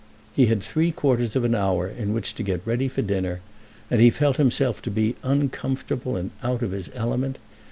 He had three quarters of an hour in which to get ready for dinner, and he felt himself to be uncomfortable and out of his element.